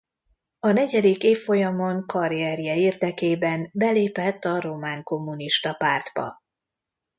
A negyedik évfolyamon karrierje érdekében belépett a Román Kommunista Pártba.